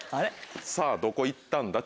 さぁどこ行ったんだ？